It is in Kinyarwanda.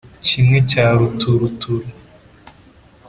Kimwe cya ruturuturu